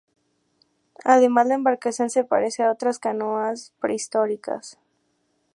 Además la embarcación se parece a otras canoas prehistóricas.